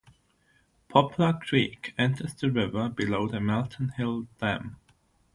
Poplar Creek enters the river below the Melton Hill Dam.